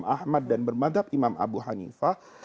imam ahmad dan bermazhab imam abu hanifah